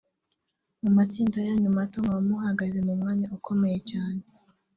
mu matsinda yanyu mato mwaba muhagaze mu mwanya ukomeye cyane